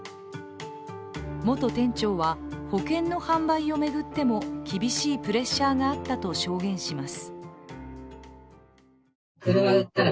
元店長は、保険の販売を巡っても厳しいプレッシャーがあったと証言します。